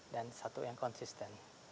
dan satu yang konsisten